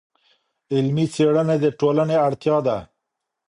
علمي څېړنې د ټولنې اړتیا ده.